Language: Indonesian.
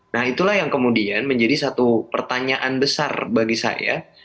nah itulah yang kemudian menjadi satu pertanyaan besar bagi saya